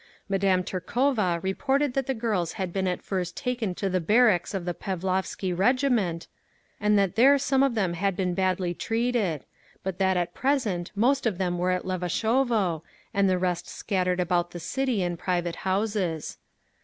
Madame Tyrkova reported that the girls had been at first taken to the barracks of the Pavlovsky Regiment, and that there some of them had been badly treated; but that at present most of them were at Levashovo, and the rest scattered about the city in private houses.